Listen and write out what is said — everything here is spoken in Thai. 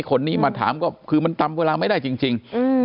คนนี้มาถามก็คือมันจำเวลาไม่ได้จริง